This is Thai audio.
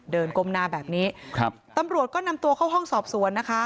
เดินก้มหน้าแบบนี้ตำรวจก็นำตัวเข้าห้องสอบสวน